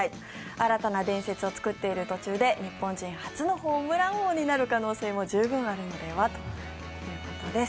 新たな伝説を作っている途中で日本人初のホームラン王になる可能性も十分あるのではということです。